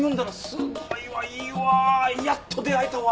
すごいわいいわやっと出合えたわ。